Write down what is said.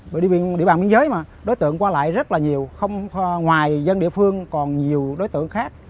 bởi địa bàn biên giới mà đối tượng qua lại rất là nhiều không ngoài dân địa phương còn nhiều đối tượng khác